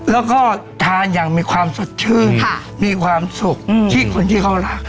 แล้วก็ทานอย่างมีความสดชื่นมีความสุขที่คนที่เขารัก